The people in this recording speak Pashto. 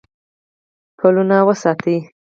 پلونه وساتئ